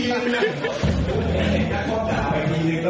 แต่ปืนยังไม่มีที่ยืน